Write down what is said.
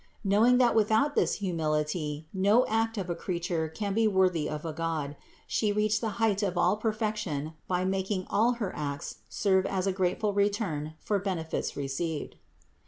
Knowing that without this humility no act of a creature can be worthy of a God, She reached the height of all perfection by making all her acts serve as a grateful return for benefits received.